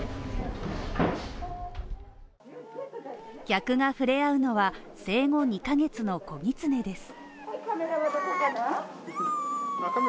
客が触れ合うのは、生後２カ月の子ぎつねです。